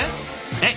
「えっ？